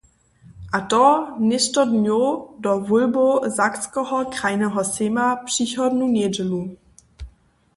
A to něšto dnjow do wólbow Sakskeho krajneho sejma přichodnu njedźelu.